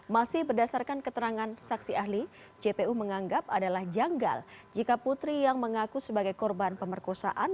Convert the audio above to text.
masih berdasarkan keterangan saksi ahli jpu menganggap adalah janggal jika putri yang mengaku sebagai korban pemerkosaan